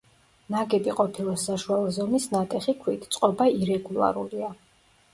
ნაგები ყოფილა საშუალო ზომის ნატეხი ქვით, წყობა ირეგულარულია.